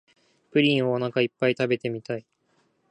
プリンをおなかいっぱい食べてみたい